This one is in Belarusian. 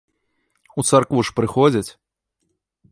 У царкву ж прыходзяць.